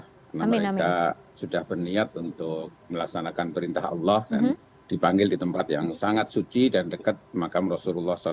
karena mereka sudah berniat untuk melaksanakan perintah allah dan dipanggil di tempat yang sangat suci dan dekat makam rasulullah saw